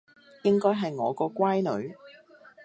應該係我個乖女